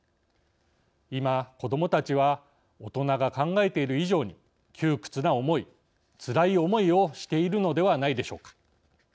今、子どもたちは大人が考えている以上に窮屈な思い、つらい思いをしているのではないでしょうか。